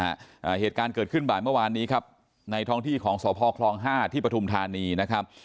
อ่าเหตุการณ์เกิดขึ้นบ่ายเมื่อวานนี้ครับในท้องที่ของสพคลองห้าที่ปฐุมธานีนะครับ